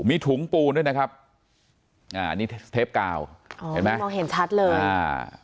มีถุงปูนด้วยนะครับอ่าอันนี้เทปกาวอ๋อเห็นไหมมองเห็นชัดเลยอ่า